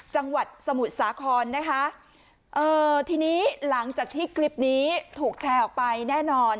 จังหวัดสมุทรสาครนะคะเอ่อทีนี้หลังจากที่คลิปนี้ถูกแชร์ออกไปแน่นอน